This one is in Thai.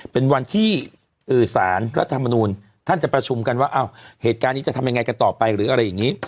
เป็นวันที่สารรัฐมนูลท่านจะประชุมกันว่าเหตุการณ์นี้จะทำยังไงกันต่อไปหรืออะไรอย่างนี้